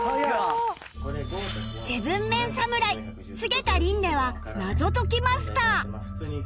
７ＭＥＮ 侍菅田琳寧は謎解きマスター